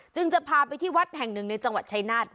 จึงจะพาไปที่วัดแห่งหนึ่งในจังหวัดชายนาฏ